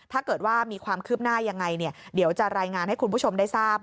ถ้าเกิดว่ามีความคืบหน้ายังไงเดี๋ยวจะรายงานให้คุณผู้ชมได้ทราบ